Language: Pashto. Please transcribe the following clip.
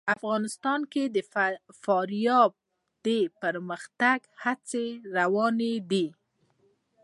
افغانستان کې د فاریاب د پرمختګ هڅې روانې دي.